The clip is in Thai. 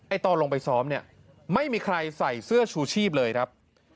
ตอนลงไปซ้อมเนี่ยไม่มีใครใส่เสื้อชูชีพเลยครับ